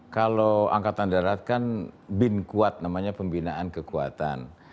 kalau angkatan darat kan bin kuat namanya pembinaan kekuatan